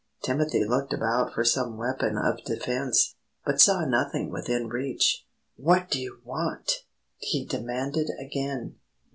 Timothy looked about for some weapon of defence, but saw nothing within reach. "What do you want?" he demanded again.